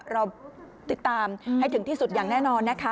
เราติดตามให้ถึงที่สุดอย่างแน่นอนนะคะ